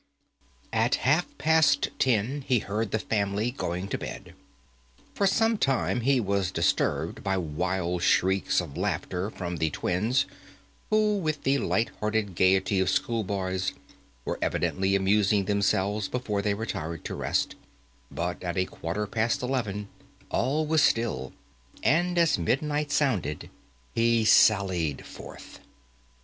At half past ten he heard the family going to bed. For some time he was disturbed by wild shrieks of laughter from the twins, who, with the light hearted gaiety of schoolboys, were evidently amusing themselves before they retired to rest, but at a quarter past eleven all was still, and, as midnight sounded, he sallied forth.